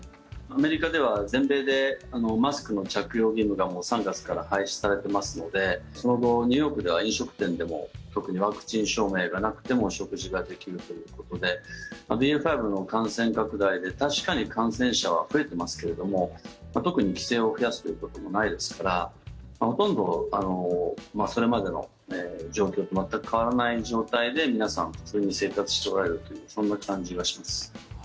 アメリカでは全米でマスクの着用義務が３月から廃止されていますのでその後、ニューヨークでは飲食店でも特にワクチン証明がなくても食事ができるということでＢＡ．５の感染拡大で確かに感染者は増えてますけれども特に規制を増やすということもないですからほとんどそれまでの状況と全く変わらない状態で皆さん普通に生活しておられるというそんな感じがします。